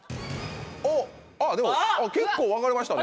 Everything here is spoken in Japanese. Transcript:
おっあっでもあっ結構分かれましたね。